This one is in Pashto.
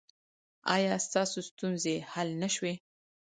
ایا ستاسو ستونزې حل نه شوې؟